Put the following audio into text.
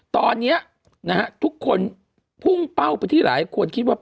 ตอนนี้นะฮะทุกคนพุ่งเป้าไปที่หลายคนคิดว่า